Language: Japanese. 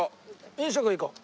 飲食行こう。